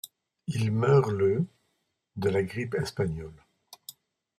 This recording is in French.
Il meurt le de la grippe espagnole.